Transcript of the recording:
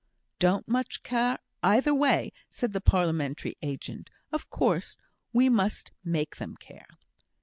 "Don't much care either way," said the parliamentary agent. "Of course, we must make them care."